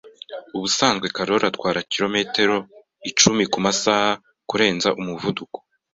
Ubusanzwe Karoli atwara kilometero icumi kumasaha kurenza umuvuduko.